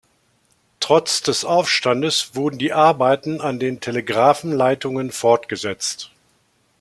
Trotz des Aufstandes wurden die Arbeiten an der Telegrafenleitung fortgesetzt.